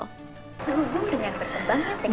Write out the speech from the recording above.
semua yang terkebang